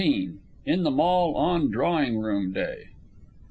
"_ IN THE MALL ON DRAWING ROOM DAY.